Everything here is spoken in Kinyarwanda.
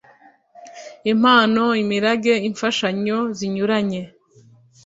impano imirage imfashanyo zinyuranye